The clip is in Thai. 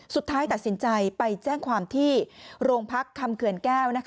สุดท้ายตัดสินใจไปแจ้งความที่โรงพักคำเขื่อนแก้ว